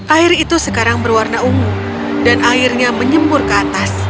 air itu sekarang berwarna ungu dan airnya menyembur ke atas